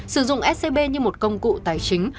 sử dụng scb như một công cụ tài chính